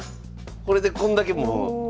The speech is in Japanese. これでこんだけもう。